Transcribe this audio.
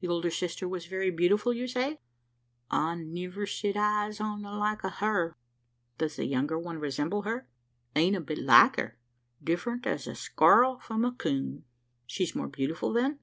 The older sister was very beautiful you say?" "I niver set eyes on the like o' her." "Does the younger one resemble her?" "Ain't a bit like her different as a squ'll from a coon." "She's more beautiful, then?"